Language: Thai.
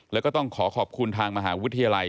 แล้วก็ต้องขอขอบคุณทางมหาวิทยาลัย